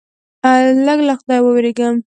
لږ له خدایه ووېرېږه.